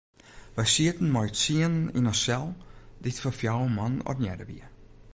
Wy sieten mei ús tsienen yn in sel dy't foar fjouwer man ornearre wie.